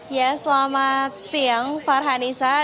ya selamat siang farhanisa